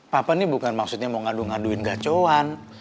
papa ini bukan maksudnya mau ngadu ngaduin gacauan